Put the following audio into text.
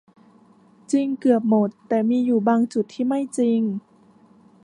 จริงเกือบหมดแต่มีอยู่บางจุดที่ไม่จริง